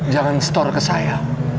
jangan store ke saya